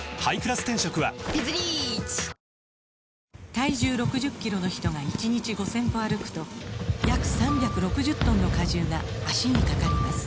体重６０キロの人が１日５０００歩歩くと約３６０トンの荷重が脚にかかります